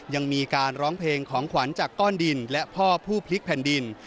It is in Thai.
ยังมีการร้องเพลงของขวัญจากก้อนดินและพ่อผู้พลิกแผ่นดิน